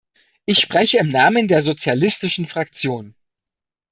Ich spreche im Namen der sozialistischen Fraktion.